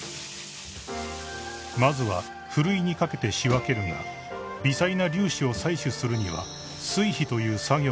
［まずはふるいにかけて仕分けるが微細な粒子を採取するには水簸という作業が必要］